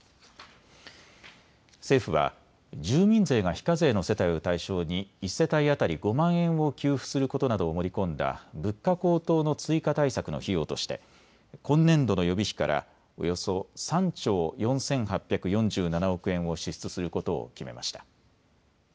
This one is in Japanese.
政府は住民税が非課税の世帯を対象に１世帯当たり５万円を給付することなどを盛り込んだ物価高騰の追加対策の費用として今年度の予備費からおよそ３兆４８４７億円を支出することを決めました。